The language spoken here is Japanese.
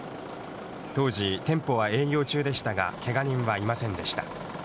当時、店舗は営業中でしたが、けが人はいませんでした。